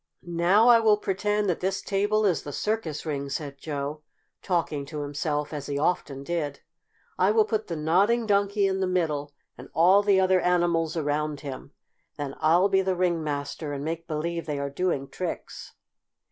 "Now I will pretend that this table is the circus ring," said Joe, talking to himself, as he often did. "I will put the Nodding Donkey in the middle and all the other animals around him. Then I'll be the Ringmaster and make believe they are doing tricks."